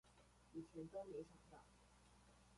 以前都沒想到